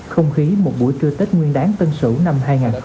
không khí một buổi trưa tết nguyên đáng tân sửu năm hai nghìn hai mươi một